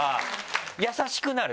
優しくなる？